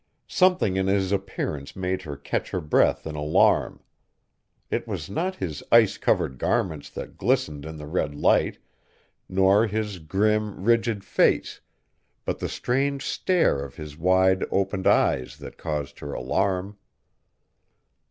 Something in his appearance made her catch her breath in alarm. It was not his ice covered garments that glistened in the red light nor his grim, rigid face, but the strange stare of his wide opened eyes that caused her alarm.